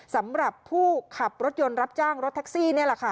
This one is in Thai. สำหรับผู้ขับรถยนต์รับจ้างรถแท็กซี่นี่แหละค่ะ